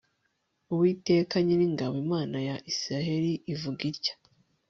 uwiteka nyiringabo imana ya isirayeli ivuga itya